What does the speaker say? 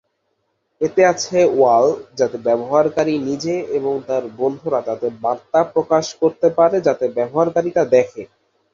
এতে আছে ওয়াল যাতে ব্যবহারকারী নিজে এবং তার বন্ধুরা তাতে বার্তা প্রকাশ করতে পারে যাতে ব্যবহারকারী তা দেখে।